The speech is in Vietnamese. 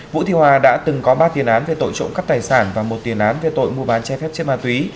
vũ thị hòa đã từng có ba tiền án về tội trộm cắp tài sản và một tiền án về tội mua bán trái phép chất ma túy